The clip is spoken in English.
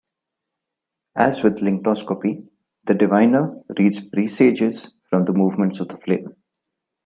As with Lychnoscopy, the diviner reads presages from the movements of the flame.